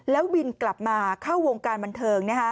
แล้วบินกลับมาเข้าวงการบันเทิง